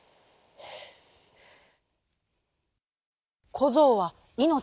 こぞうはいのち